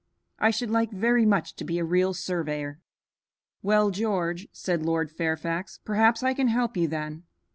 I should like very much to be a real surveyor." "Well, George," said Lord Fairfax, "perhaps I can help you then.